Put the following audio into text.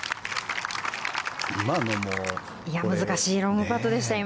難しいロングパットでした。